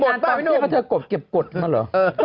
ต้องไปทางดากับเขาเขากดเก็บกดมาเหรอ